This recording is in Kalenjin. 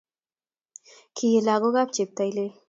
Kiyi lakok ab cheptailel